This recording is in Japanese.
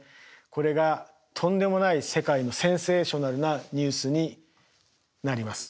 これがとんでもない世界のセンセーショナルなニュースになります。